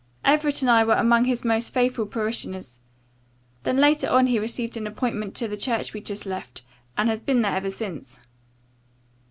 Everett and I were among his most faithful parishioners. Then later on he received an appointment to the church we just left, and has been there ever since."